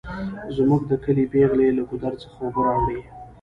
زمونږ د کلي پیغلې له ګودر څخه اوبه راوړي